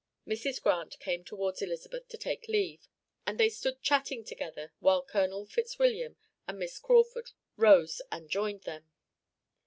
Mrs. Grant came towards Elizabeth to take leave, and they stood chatting together while Colonel Fitzwilliam and Miss Crawford rose and joined them.